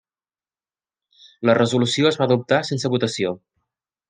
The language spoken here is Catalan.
La resolució es va adoptar sense votació.